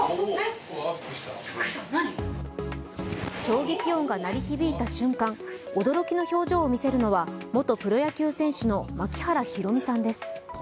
衝撃音が鳴り響いた瞬間驚きの表情を見せるのは元プロ野球選手の槙原寛己さんです。